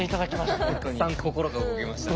たくさん心が動きましたね。